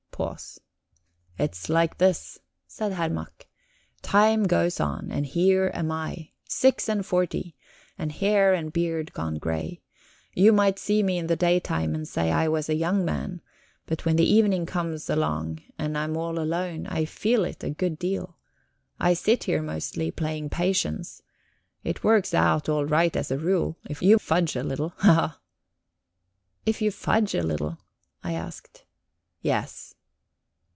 Pause. "It's like this," said Herr Mack. "Time goes on, and here am I, six and forty, and hair and beard gone grey. You might see me in the daytime and say I was a young man, but when the evening comes along, and I'm all alone, I feel it a good deal. I sit here mostly playing patience. It works out all right as a rule, if you fudge a little. Haha!" "If you fudge a little?" I asked. "Yes."